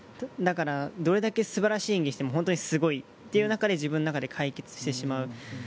だからどれだけ素晴らしい演技をしても本当にすごいという中で自分の中で解決してしまう。